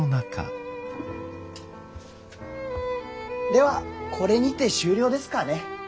ではこれにて終了ですかね。